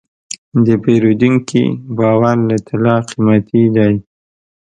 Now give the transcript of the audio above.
د پیرودونکي باور له طلا قیمتي دی.